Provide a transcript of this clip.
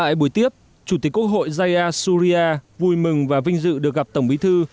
tại buổi tiếp chủ tịch quốc hội jaya surya vui mừng và vinh dự được gặp tổng bí thư